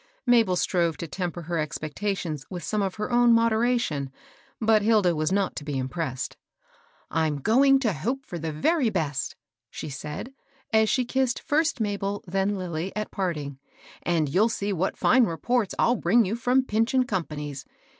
Mabel strove to temper her expectations with some of her own moderation, but Hilda was not to be impressed. " I'm going to hope for the very best,'* she said, as she kissed first Mabel, then Lilly, at part ing ;" and you'll see what fine reports I'll bring you from Pinch and Company's.